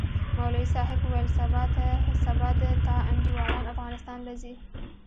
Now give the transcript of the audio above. مولوي صاحب وويل سبا د تا انډيوالان افغانستان له زي؟